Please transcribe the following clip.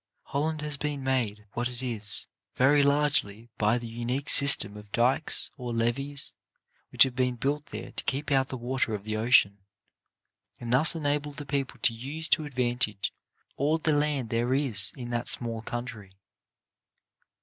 Holland has been made what it is very largely by the unique system of dykes or levees which have been built there to keep out the water of the ocean, and thus enable the people to use to advantage all the land there is in that small country.